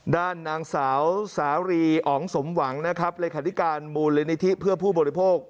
ด้านนางสาวสารีอ๋องสมหวังนะครับเลขาธิการมูลนิธิเพื่อผู้บริโภค